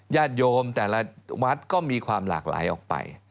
ญาติโยมแต่ละวัดก็มีความหลากหลายออกไป